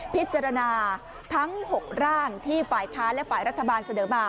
พิจารณาทั้ง๖ร่างที่ฝ่ายค้าและฝ่ายรัฐบาลเสนอมา